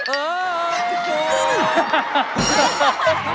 เออพี่โจร